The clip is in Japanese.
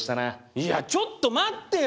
いやちょっと待ってよ！